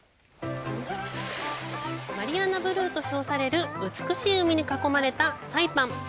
マリアナブルーと称される美しい海に囲まれたサイパン。